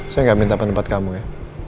saya nggak minta pendapat kamu ya